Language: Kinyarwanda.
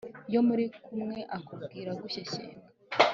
Iyo muri kumwe akubwira agushyeshyenga,